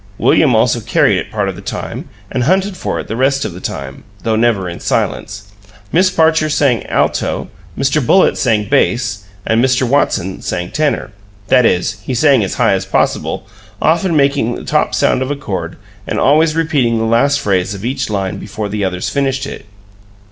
William also carried it part of the time and hunted for it the rest of the time, though never in silence. Miss Parcher "sang alto," Mr. Bullitt "sang bass," and Mr. Watson "sang tenor" that is, he sang as high as possible, often making the top sound of a chord and always repeating the last phrase of each line before the others finished it.